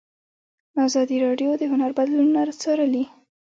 ازادي راډیو د هنر بدلونونه څارلي.